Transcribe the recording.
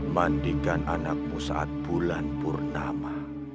mandikan anakmu saat bulan purnama